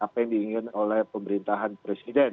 apa yang diinginkan oleh pemerintahan presiden